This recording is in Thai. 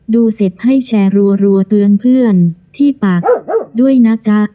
ดูเสร็จให้แชร์รัวเตือนเพื่อนที่ปากด้วยนะจ๊ะ